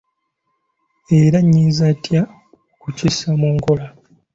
Era nnyinza ntya okukissa mu nkola?